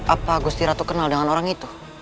apa gusti ratu kenal dengan orang itu